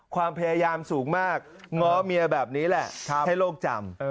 ความพยายามสูงมากง้อเมียแบบนี้แหละให้โลกจำ